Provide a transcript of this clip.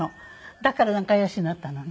だから仲良しになったのね。